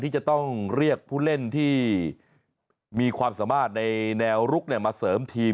ที่จะต้องเรียกผู้เล่นที่มีความสามารถในแนวลุกมาเสริมทีม